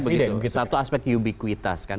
maksud saya begitu satu aspek ubiquitas kan